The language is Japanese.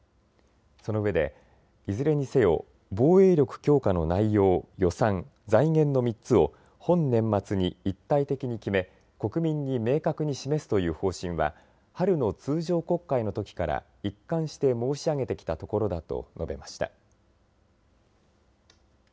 そのうえで、いずれにせよ防衛力強化の内容、予算、財源の３つを本年末に一体的に決め国民に明確に示すという方針は春の通常国会のときから一貫して申し上げてきたところだと述べました。